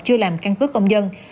chưa làm căn cứ công dân